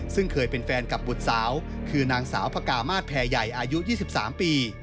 ซึ่งเคยเป็นแฟนกับบุตรสาวคือนางสาวพระกามาศแพรใหญ่อายุ๒๓ปี